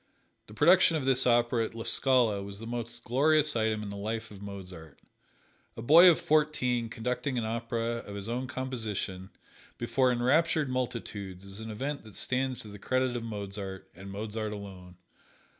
The production of this opera at La Scala was the most glorious item in the life of Mozart. A boy of fourteen conducting an opera of his own composition before enraptured multitudes is an event that stands to the credit of Mozart, and Mozart alone.